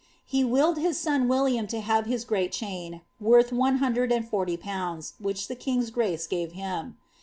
He willed his son William *' to have his great chain, worth one hundred and forty pounds, which the king's grace gave him."